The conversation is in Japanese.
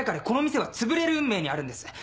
この店はつぶれる運命にあるんです！